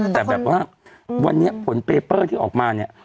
แต่แบบว่าวันนี้ผลเปเปอร์ที่ออกมาเนี่ย